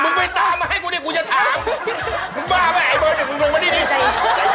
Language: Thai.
มึงไปตามมันให้ตูดิกูจะถาม